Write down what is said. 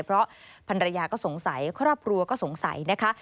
เพราะภรรยาก็สงสัยครอบครัวก็สงสัยนะคะ